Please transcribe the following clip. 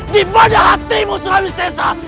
dibanda hatimu selalu sesak